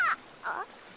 あっ。